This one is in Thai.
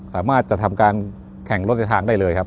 สามารถจะทำการแข่งรถในทางได้เลยครับ